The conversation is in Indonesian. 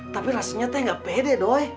tapi rasanya teh gak pede doi